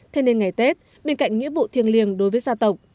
thế nên ngày tết bên cạnh nghĩa vụ thiền liền đối với gia tộc